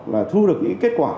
là thu được những kết quả